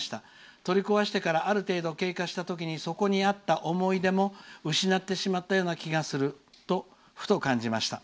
取り壊してからある程度、経過したときにそこにあった思い出も失ってしまったような気がするとふと感じました。